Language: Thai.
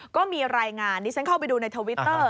ก็มีรายงานดิฉันเข้าไปดูในทวิตเตอร์